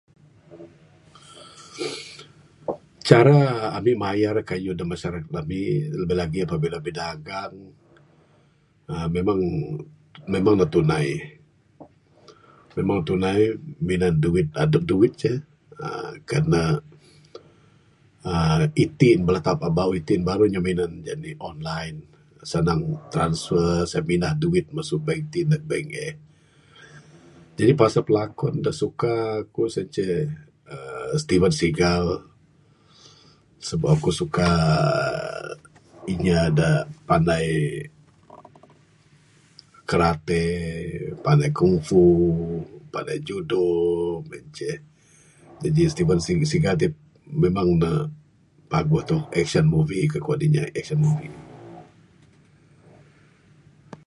Cara ami mayar kayuh dak masyarakat bala labih-labih lagi bala bidagang ami memang ne tunai memang ne tunai minan duit adup duit ceh uhh kan ne uhh itin bala taap-taap bauh itin baru ceh minan online, senang transfer semina duit masu bank ti neg bank eh, jadi pasal pilakon dak suka aku sien ceh uhh Steven Seagal, sebab aku suka inya dak panai karate, panai kungfu, panai judo meng enceh jadi Steven Seagal memang ne paguh, action movie kayuh kuan inya, action movie.